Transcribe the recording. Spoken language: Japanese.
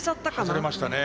外れましたね。